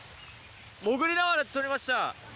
潜りながら取りました。